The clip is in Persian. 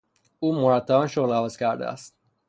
او مرتبا شغل عوض کرده است.